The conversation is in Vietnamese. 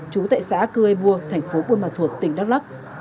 chú tại xã cư ê bua thành phố buôn mạc thuột tỉnh đắk lắc